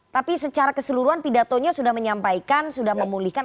tapi secara keseluruhan pidatonya sudah menyampaikan sudah memulihkan